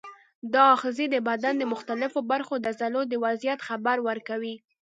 دا آخذې د بدن د مختلفو برخو د عضلو د وضعیت خبر ورکوي.